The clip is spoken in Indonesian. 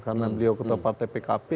karena beliau ketopak tppkp